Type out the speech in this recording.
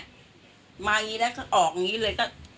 อย่างนี้แล้วก็ออกอย่างนี้เลยก็